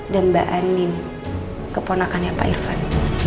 dan mbak anin keponakannya pak irvan